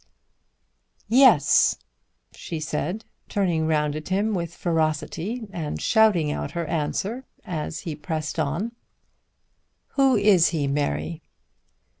"Yes," she said turning round at him with ferocity and shouting out her answer as she pressed on. "Who is he, Mary?"